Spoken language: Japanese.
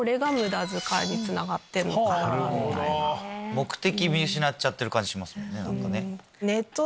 目的見失っちゃってる感じしますもんね。